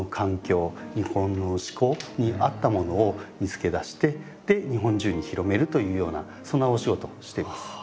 日本の嗜好に合ったものを見つけ出して日本中に広めるというようなそんなお仕事をしてます。